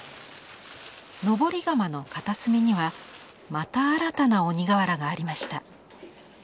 登り窯の片隅にはまた新たな鬼瓦がありました。